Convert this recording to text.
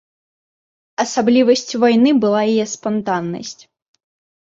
Асаблівасцю вайны была яе спантаннасць.